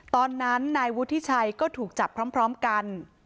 ตอนนั้นนายวุฒิชัยก็ถูกจับพร้อมกัน